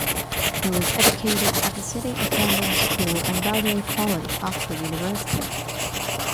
He was educated at the City of London School and Balliol College, Oxford University.